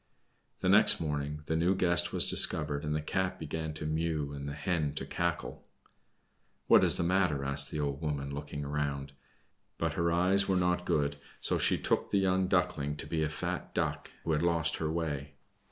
The next morning the new guest was discovered, and the Cat began to mew and the Hen to cackle. "What is the matter?" asked the old woman, looking round. But her eyes were not good, so she took the young Duckling to be a fat Duck who had lost her way.